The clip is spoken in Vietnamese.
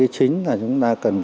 chính là chúng ta cần